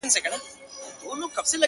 په کاروان کي سو روان د هوښیارانو!!